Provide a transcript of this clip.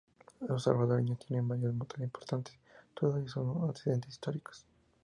Los salvadoreños tienen varios motes importantes, todos ellos con antecedentes históricos.